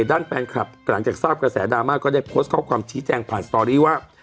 ด้านแฟนคลับหลังจากทราบกระแสดราม่าก็ได้โพสต์ข้อความชี้แจงผ่านสตอรี่ว่า